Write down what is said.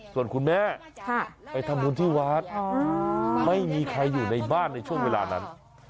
ส่วนคุณแม่ไปทำบุญที่วัดไม่มีใครอยู่ในบ้านในช่วงเวลานั้น